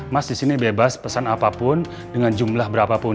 mas di sini bebas pesan apapun dengan jumlah berapapun